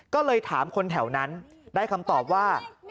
ก็เลยถามคนแถวนั้นได้คำตอบว่า